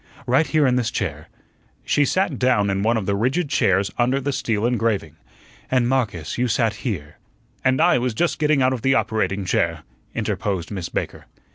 "Right here in this chair." She sat down in one of the rigid chairs under the steel engraving. "And, Marcus, you sat here " "And I was just getting out of the operating chair," interposed Miss Baker.